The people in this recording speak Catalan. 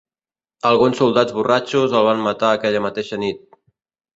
Alguns soldats borratxos el van matar aquella mateixa nit.